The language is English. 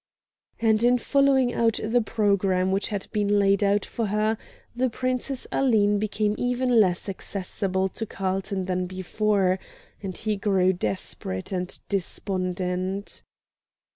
And in following out the programme which had been laid down for her, the Princess Aline became even less accessible to Carlton than before, and he grew desperate and despondent.